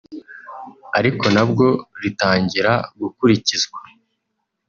ari nabwo ritangira gukurikizwa